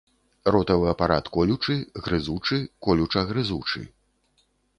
Ротавы апарат колючы, грызучы, колюча-грызучы.